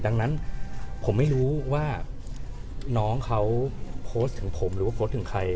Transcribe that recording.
ดังนั้นผมไม่รู้ว่าน้องเขาโพสต์ถึงผมหรือว่าโพสต์ถึงใคร